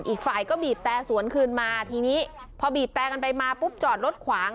อีกฝ่ายก็บีบแต่สวนคืนมาทีนี้พอบีบแต่กันไปมาปุ๊บจอดรถขวาง